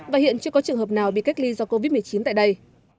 và hiện chưa có trường hợp nào bị cách ly do covid một mươi chín tại đây